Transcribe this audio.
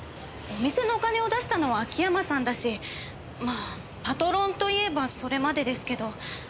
お店のお金を出したのは秋山さんだしまあパトロンと言えばそれまでですけど。